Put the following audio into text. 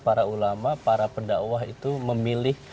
para ulama para pendakwah itu memilih